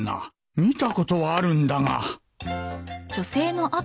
見たことはあるんだが